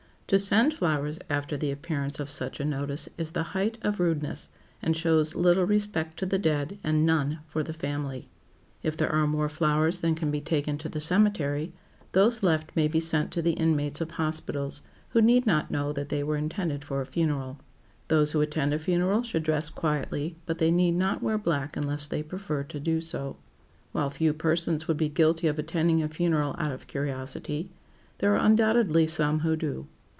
To send flowers after the appearance of such a notice is the height of rudeness and shows little respect to the dead and none for the family. If there are more flowers than can be taken to the cemetery, those left may be sent to the inmates of hospitals, who need not know that they were intended for a funeral. Those who attend a funeral should dress quietly, but they need not wear black unless they prefer to do so. While few persons would be guilty of attending a funeral out of curiosity, there are undoubtedly some who do.